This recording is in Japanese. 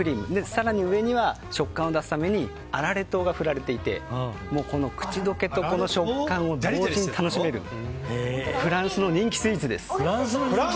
更に上には食感を出すためにあられ糖が振られていてこの口溶けと食感を同時に楽しめるフランスの人気スイーツです。